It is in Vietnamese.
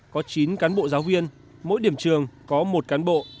có chín cán bộ giáo viên mỗi điểm trường có một cán bộ